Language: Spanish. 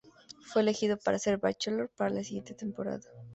Fue elegido para ser el "Bachelor" para la siguiente temporada.